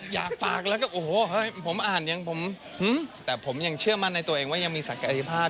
ยังไม่ต้องถึงฝากครับ